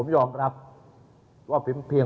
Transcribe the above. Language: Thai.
โหวตวันที่๒๒